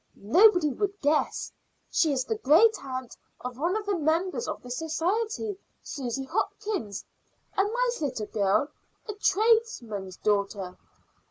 Nobody would guess. She is the great aunt of one of the members of the society, Susy Hopkins, a nice little girl, a tradesman's daughter."